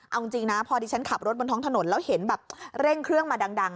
เอาจริงนะพอดิฉันขับรถบนท้องถนนแล้วเห็นแบบเร่งเครื่องมาดัง